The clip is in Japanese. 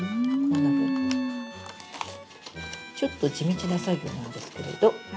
ちょっと地道な作業なんですけれど。